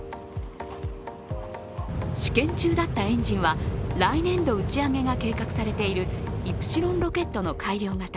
試験中だったエンジンは来年度打ち上げが計画されているイプシロンロケットの改良型